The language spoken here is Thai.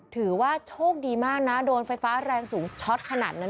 ถือว่าโชคดีมากนะโดนไฟฟ้าแรงสูงช็อตขนาดนั้น